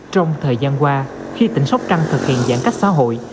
trong thời gian qua khi tỉnh sóc trăng thực hiện giãn cách xã hội